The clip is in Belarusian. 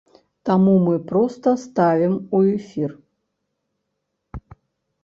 Таму мы проста ставім у эфір.